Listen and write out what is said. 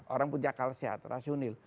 orang punya akal sehat rasional